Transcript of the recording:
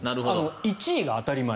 １位が当たり前。